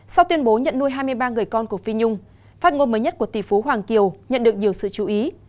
sau tuyên bố nhận nuôi hai mươi ba người con của phi nhung phát ngôn mới nhất của tỷ phú hoàng kiều nhận được nhiều sự chú ý